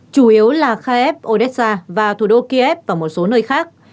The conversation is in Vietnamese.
chủ yếu là kiev odessa và thủ đô kiev và một số nơi khác